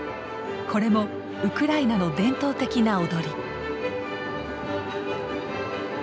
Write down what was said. これもウクライナの伝統的な踊り。